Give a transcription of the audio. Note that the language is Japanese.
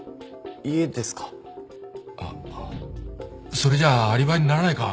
それじゃあアリバイにならないか。